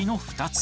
２つ。